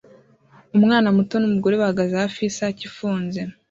Umwana muto numugore bahagaze hafi yisake ifunze